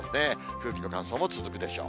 空気の乾燥も続くでしょう。